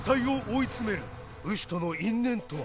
ウシとの因縁とは。